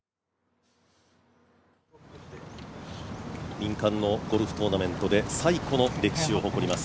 民間のゴルフトーナメントで最古の歴史を誇ります。